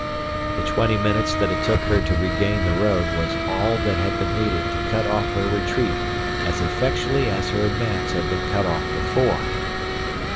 The twenty minutes that it took her to regain the road was all that had been needed to cut off her retreat as effectually as her advance had been cut off before.